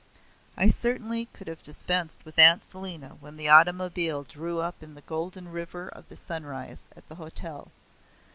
I certainly could have dispensed with Aunt Selina when the automobile drew up in the golden river of the sunrise at the hotel.